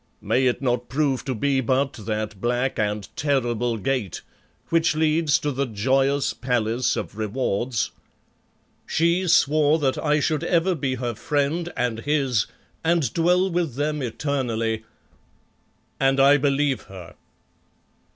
May it not prove to be but that black and terrible Gate which leads to the joyous palace of Rewards? She swore that I should ever be her friend and his and dwell with them eternally, and I believe her.